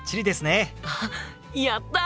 あっやった！